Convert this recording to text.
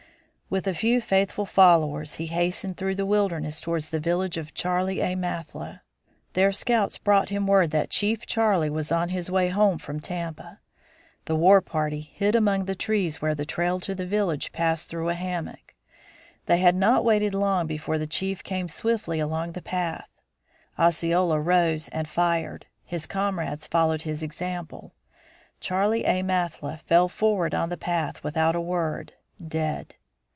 With a few faithful followers he hastened through the wilderness towards the village of Charley A. Mathla. There scouts brought him word that Chief Charley was on his way home from Tampa. The war party hid among the trees where the trail to the village passed through a hammock. They had not waited long before the chief came swiftly along the path. Osceola rose and fired. His comrades followed his example. Charley A. Mathla fell forward on the path without a word, dead.